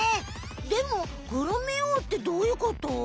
でもグルメ王ってどういうこと？